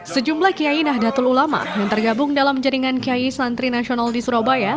sejumlah kiai nahdlatul ulama yang tergabung dalam jaringan kiai santri nasional di surabaya